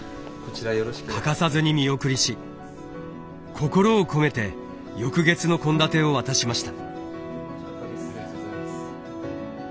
欠かさずに見送りし心を込めて翌月の献立を渡しました。